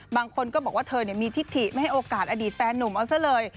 บางคนก็บอกว่าเธอมีทิศถิไม่ให้โอกาสอดีตแฟนหนุ่มเอาซะเลย